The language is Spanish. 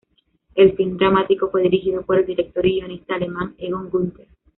El film dramático fue dirigido por el director y guionista alemán Egon Günther.